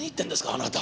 あなた。